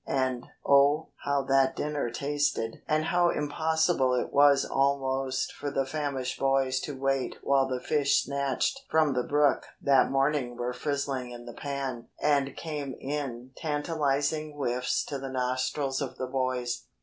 And, oh, how that dinner tasted and how impossible it was almost for the famished boys to wait while the fish snatched from the brook that morning were frizzling in the pan and came in tantalizing whiffs to the nostrils of the boys.